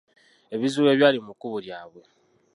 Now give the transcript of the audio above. Ebizibu ebyali mu kkubo lyabwe.